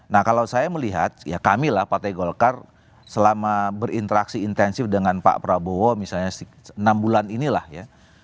nah kalau saya melihat ya kamilah partai golkar selama berinteraksi intensif dengan pak prabowo misalnya enam bulan inilah ya